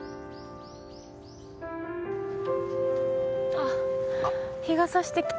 あっ日が差してきた。